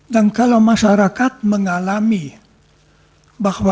dan kalau masyarakat mengalami bahwa etika